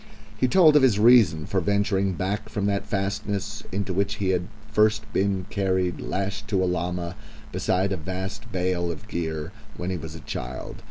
He told of his reason for venturing back from that fastness, into which he had first been carried lashed to a llama, beside a vast bale of gear, when he was a child.